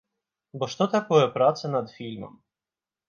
Бо што такое праца над фільмам?